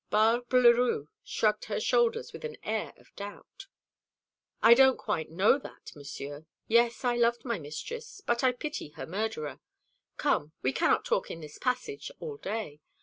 Barbe Leroux shrugged her shoulders with an air of doubt. "I don't quite know that, Monsieur. Yes, I loved my mistress; but I pity her murderer. Come, we cannot talk in this passage all day.